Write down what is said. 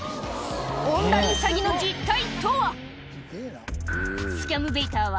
オンライン詐欺の実態とは？